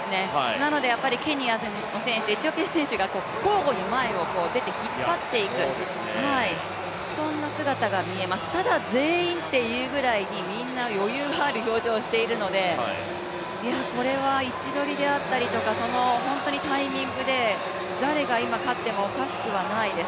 なのでケニアの選手、エチオピアの選手が交互に前に出て引っ張っていく、そんな姿が見えます、ただ、全員というぐらいに、みんな余裕のある表情をしているので、これは位置取りであったりとか、タイミングで誰が今勝ってもおかしくはないです。